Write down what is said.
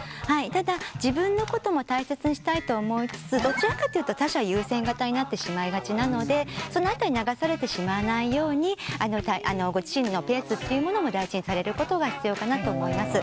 ただ自分のことも大切にしたいと思いつつどちらかというと他者優先型になってしまいがちなのでその辺り流されてしまわないようにご自身のペースっていうものも大事にされることが必要かなと思います。